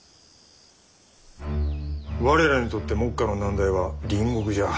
我らにとって目下の難題は隣国じゃ。